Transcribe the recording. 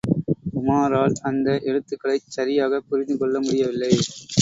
உமாரால் அந்த எழுத்துக்களைச் சரியாகப் புரிந்து கொள்ள முடியவில்லை.